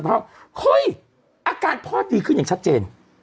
เฮ้ยอาการพ่อดีขึ้นอย่างชัดเจน